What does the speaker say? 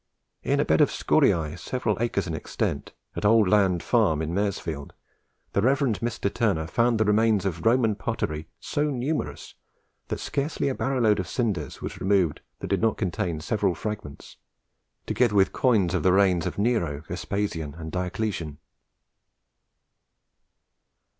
In a bed of scoriae several acres in extent, at Old Land Farm in Maresfield, the Rev. Mr. Turner found the remains of Roman pottery so numerous that scarcely a barrow load of cinders was removed that did not contain several fragments, together with coins of the reigns of Nero, Vespasian, and Dioclesian.